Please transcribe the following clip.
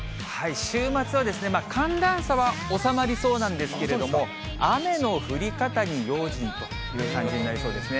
週末は寒暖差は収まりそうなんですけれども、雨の降り方に用心という感じになりそうですね。